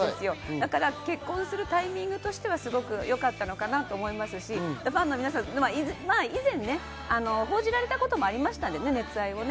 だから結婚するタイミングとしてはすごくよかったのかなと思いますし、以前、報じられたこともありましたから熱愛をね。